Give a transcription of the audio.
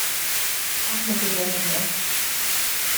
Qatt ma pruvajt naħrab.